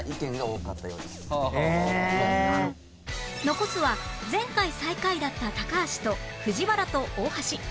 残すは前回最下位だった高橋と藤原と大橋